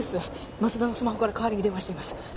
舛田のスマホから代わりに電話しています